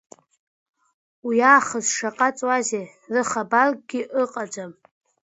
Уиаахыс шаҟа ҵуазеи, рыхабаркгьы ыҟаӡам…